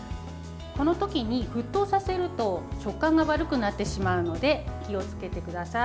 この時に沸騰させると食感が悪くなってしまうので気をつけてください。